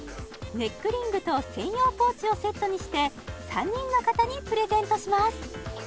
ネックリングと専用ポーチをセットにして３人の方にプレゼントします